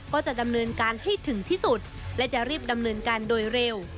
ก็จะดำเนินการให้ถึงที่สุดและจะรีบดำเนินการโดยเร็ว